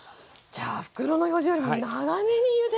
じゃあ袋の表示よりも長めにゆでる。